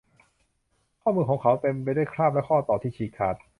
ข้อมือของเขาเต็มไปด้วยคราบและข้อต่อที่ฉีกขาด